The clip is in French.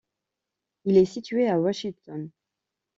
Il est situé à Washington.